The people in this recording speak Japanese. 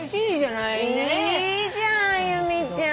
いいじゃん由美ちゃん。